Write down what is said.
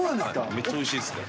めっちゃおいしいですから。